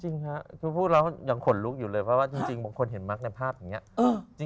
จริงครับพวกเรายังขนลุกอยู่เลยเพราะจริงบางคนเห็นมั๊กในภาพอย่างงี้